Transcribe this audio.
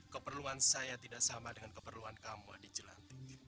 keperluan saya tidak sama dengan keperluan kamu di jelantik